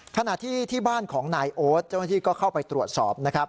ขณะที่ที่บ้านของนายโอ๊ตเจ้าหน้าที่ก็เข้าไปตรวจสอบนะครับ